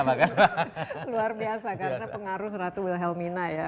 luar biasa karena pengaruh ratu wilhelmina ya